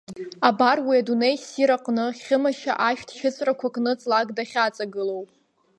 Абар, уи адунеи ссир аҟны Хьымашьа ашәҭ шьыҵәрақәа кны ҵлак дахьаҵагылоу.